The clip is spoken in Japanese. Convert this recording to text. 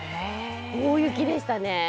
大雪でしたね。